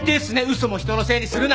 嘘も人のせいにするなんて。